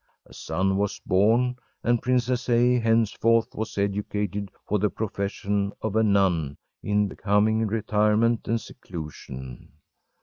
A son was born, and Princess A. henceforth was educated for the profession of a nun in becoming retirement and seclusion.